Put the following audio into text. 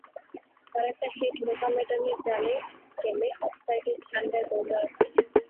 তাঁর একটা হেড মোহামেডানের জালে গেলে অফসাইডের ঝান্ডায় গোল দেওয়া হয়নি।